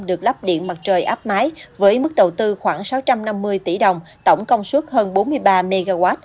được lắp điện mặt trời áp máy với mức đầu tư khoảng sáu trăm năm mươi tỷ đồng tổng công suất hơn bốn mươi ba mw